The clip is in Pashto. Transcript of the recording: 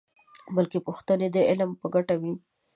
بلکې پوښتنې د علم په ګټه وي.